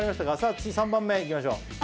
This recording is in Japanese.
次３番目いきましょう。